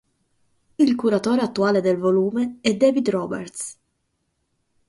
Il curatore attuale del volume è David Roberts.